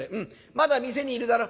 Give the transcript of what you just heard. まだ店にいるだろ。